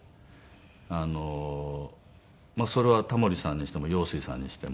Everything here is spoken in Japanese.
それはタモリさんにしても陽水さんにしても。